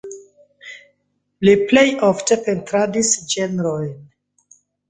Li plej ofte pentradis ĝenrojn.